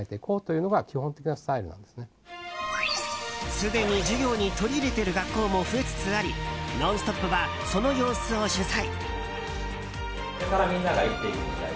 すでに授業に取り入れている学校も増えつつあり「ノンストップ！」はその様子を取材。